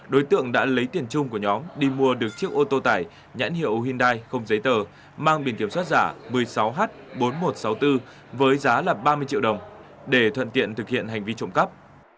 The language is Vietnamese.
đối tượng đã lấy tiền chung của nhóm đi mua được chiếc ô tô tải nhãn hiệu hyundai không giấy tờ mang biển kiểm soát giả một mươi sáu h bốn nghìn một trăm sáu mươi bốn với giá là ba mươi triệu đồng để thuận tiện thực hiện hành vi trộm cắp